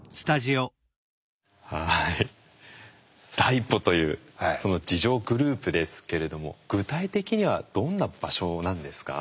はい第一歩というその自助グループですけれども具体的にはどんな場所なんですか？